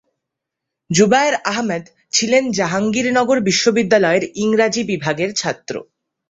জুবায়ের আহমেদ ছিলেন জাহাঙ্গীরনগর বিশ্ববিদ্যালয়ের ইংরেজি বিভাগের ছাত্র।